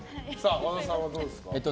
和田さんはどうですか？